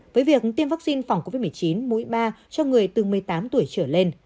với việc tiêm vaccine phòng covid một mươi chín mũi ba cho người từ một mươi tám tuổi trở lên